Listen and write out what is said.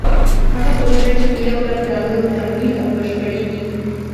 هغه پروژه چې په یو لک ډالرو تمویل او بشپړېږي.